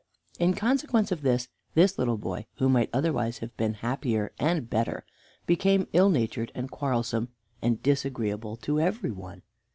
In consequence of this, this little boy, who might otherwise have been happier and better, became ill natured and quarrelsome, and disagreeable to every one.